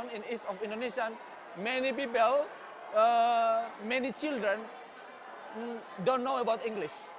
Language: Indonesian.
banyak dari sistem komputer kita menggunakan bahasa inggris